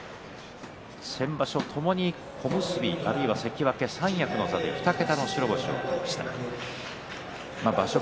先場所ともに小結、関脇三役の場所で２桁の白星を挙げました。